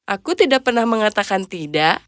aku tidak pernah mengatakan tidak